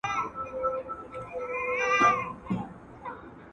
سوچه پښتو ژبه زموږ د ملي کلتور د غوړېدو لویه وسیله ده